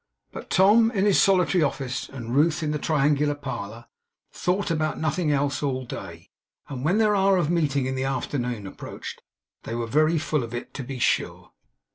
But Tom, in his solitary office, and Ruth, in the triangular parlour, thought about nothing else all day; and, when their hour of meeting in the afternoon approached, they were very full of it, to be sure.